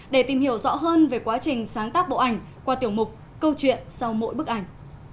để tìm hiểu rõ hơn về quá trình sáng tác bộ ảnh qua tiểu mục câu chuyện sau mỗi bức ảnh